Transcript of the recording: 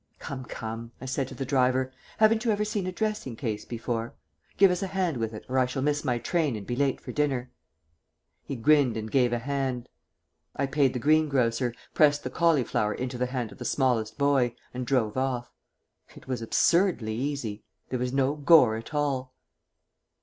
"Come, come," I said to the driver, "haven't you ever seen a dressing case before? Give us a hand with it or I shall miss my train and be late for dinner." He grinned and gave a hand. I paid the greengrocer, pressed the cauliflower into the hand of the smallest boy, and drove off.... It was absurdly easy. There was no gore at all.